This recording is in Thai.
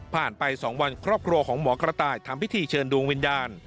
ไป๒วันครอบครัวของหมอกระต่ายทำพิธีเชิญดวงวิญญาณ